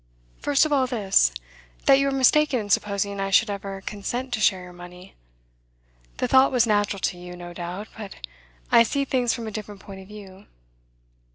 'First of all, this. That you are mistaken in supposing I should ever consent to share your money. The thought was natural to you, no doubt; but I see things from a different point of view.